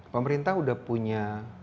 pemerintah udah punya